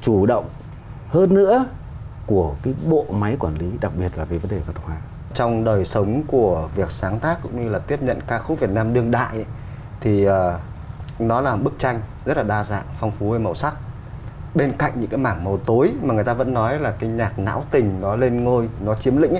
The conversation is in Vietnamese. chủ động hơn nữa của cái bộ máy quản lý đặc biệt là cái vấn đề văn hóa trong đời sống của việc sáng tác cũng như là tiếp nhận ca khúc việt nam đương đại thì nó là bức tranh rất là đa dạng phong phú màu sắc bên cạnh những cái mảng màu tối mà người ta vẫn nói là cái nhạc não tình nó lên ngôi nó chiếm lĩnh